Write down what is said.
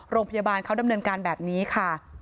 โรงพยาบาลเขาดำเนินการแบบนี้ค่ะ